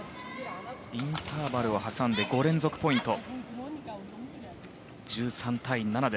インターバルを挟んで５連続ポイント。